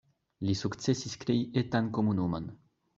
Li sukcesis krei etan komunumon.